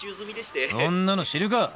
そんなの知るか！